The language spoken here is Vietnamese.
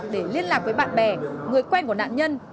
để liên lạc với bạn bè người quen của nạn nhân